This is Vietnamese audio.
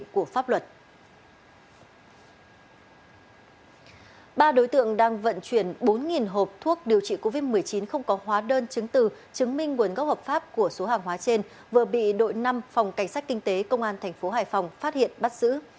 chứng minh nguồn gốc hợp pháp của số hàng hóa trên vừa bị đội năm phòng cảnh sát kinh tế công an tp hải phòng phát hiện bắt giữ